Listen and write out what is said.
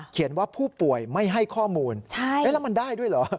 ว่าผู้ป่วยไม่ให้ข้อมูลแล้วมันได้ด้วยเหรอ